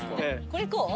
これこう？